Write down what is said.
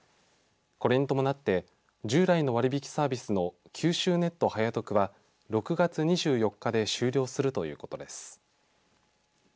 これに伴って従来の割引サービスの九州ネット早特は６月２４日で終了するということです。